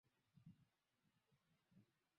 Uchumi wa buluu ndio kiini cha uchumi wa kileo